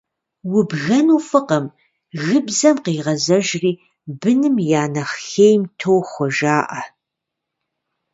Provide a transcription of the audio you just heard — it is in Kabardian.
Убгэну фӏыкъым, гыбзэм къегъэзэжри быным я нэхъ хейм тохуэ, жаӀэ.